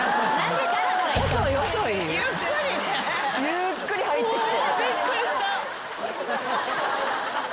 ゆっくり入ってきて。